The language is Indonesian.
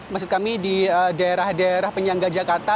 maksud kami di daerah daerah penyangga jakarta